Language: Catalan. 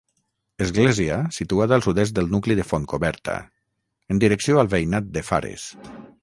Església situada al sud-est del nucli de Fontcoberta, en direcció al veïnat de Fares.